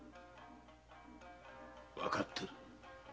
わかってる。